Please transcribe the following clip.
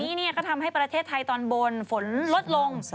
นี้ก็ทำให้ประเทศไทยตอนบนฝนลดลง